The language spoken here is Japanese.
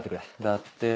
だって。